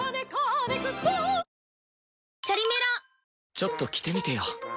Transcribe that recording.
ちょっと着てみてよ！